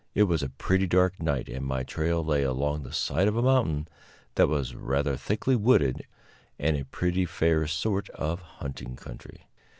It was a pretty dark night, and my trail lay along the side of a mountain that was rather thickly wooded and a pretty fair sort of hunting country.